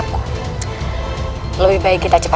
bunda saya bukan b guessing